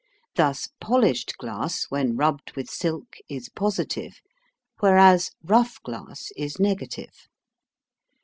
Thus polished glass when rubbed with silk is positive, whereas rough glass is negative.